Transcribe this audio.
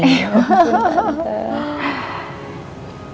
iya ampun tante